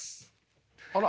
あら。